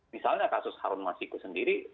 misalnya kasus harun masiku sendiri